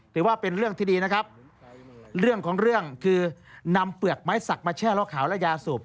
ถือว่าเป็นเรื่องที่ดีนะครับเรื่องของเรื่องคือนำเปลือกไม้สักมาแช่ล่อขาวและยาสูบ